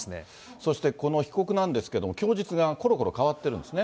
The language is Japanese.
そして、この被告なんですけども、供述がころころ変わってるんですね。